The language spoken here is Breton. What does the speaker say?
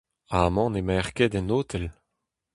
Amañ n'emaer ket en otel !